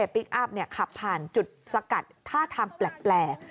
พลิกอัพขับผ่านจุดสกัดท่าทางแปลก